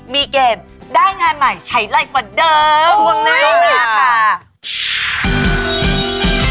มีเกมได้งานใหม่ใช้ไลฟ์เหมือนเดิม